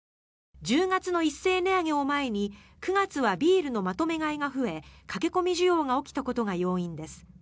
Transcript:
１０月の一斉値上げを前に９月はビールのまとめ買いが増え駆け込み需要が起きたことが要因です。